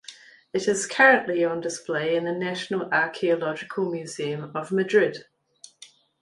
It is currently on display in the National Archaeological Museum of Madrid.